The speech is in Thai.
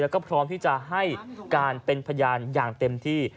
แล้วก็พร้อมที่จะให้การเป็นพยานอย่างเต็มที่